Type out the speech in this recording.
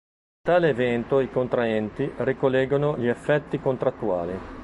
A tale evento, i contraenti ricollegano gli effetti contrattuali.